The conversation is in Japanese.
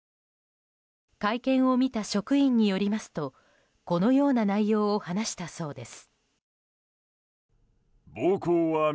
会見を見た職員によりますとこのような内容を話したそうです。